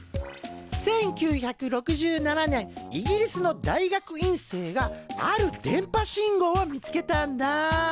１９６７年イギリスの大学院生がある電波信号を見つけたんだ。